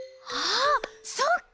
あそっか！